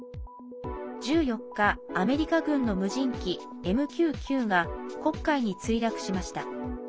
１４日、アメリカ軍の無人機ＭＱ９が黒海に墜落しました。